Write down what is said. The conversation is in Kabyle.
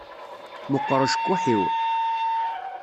Meqqeṛ ucekkuḥ-iw.